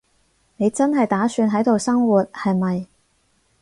你真係打算喺度生活，係咪？